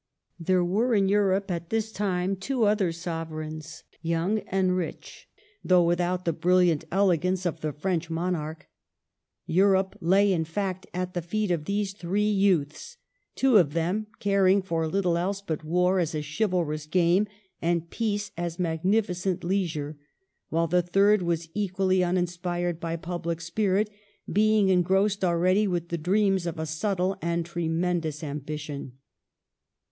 There were in Europe at this time two other sovereigns, young and rich, though without the brilliant elegance of the French monarch. Europe lay, in fact, at the feet of these three youths, two of them caring for little else but war as a chivalrous game and peace as magnificent leisure ; while the third was equally uninspired by public spirit, being engrossed already with the dreams of a subtle and tremendous ambition.